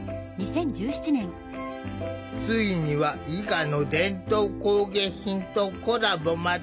ついには伊賀の伝統工芸品とコラボまで。